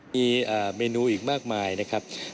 มีเมนูอีกมากมายนะครับ